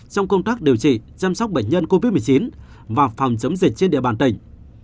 trong công tác điều trị chăm sóc bệnh nhân covid một mươi chín và phòng chống dịch trên địa bàn tỉnh